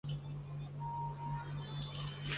在大战前后球队夺得多次地区联赛冠军。